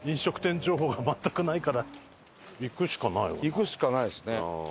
行くしかないですね。